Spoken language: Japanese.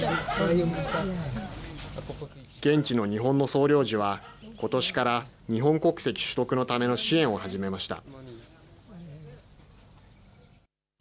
現地の日本の総領事は、ことしから日本国籍取得のための支援を始めました。